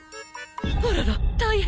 あらら大変！